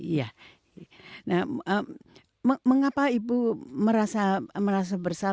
iya nah mengapa ibu merasa bersalah bukankah mereka itu juga dilibatkan dalam